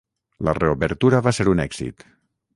La reobertura va ser un èxit.